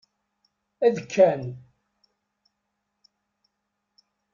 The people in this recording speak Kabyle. Adekkan.